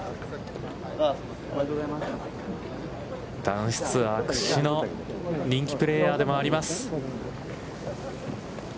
男子ツアー屈指の人気プレーヤーでもあります。